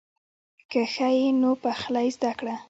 که ښه یې نو پخلی زده کړه.